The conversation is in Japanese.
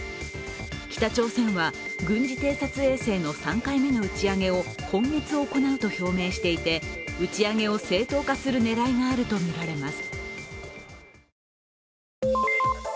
北朝鮮は、軍事偵察衛星の３回目の打ち上げを今月行うと表明していて打ち上げを正当化する狙いがあるとみられます